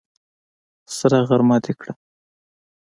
سره غرمه دې کړه!